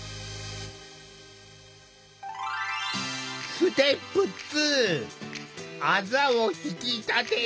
ステップ２あざを引き立てる。